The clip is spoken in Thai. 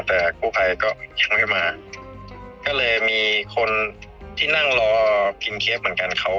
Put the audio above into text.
แต่กู้ภัยก็ยังไม่มาก็เลยมีคนที่นั่งรอกินเค้กเหมือนกันเขา